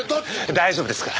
大丈夫ですから。